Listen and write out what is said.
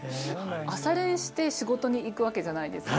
朝練して仕事に行くわけじゃないですか。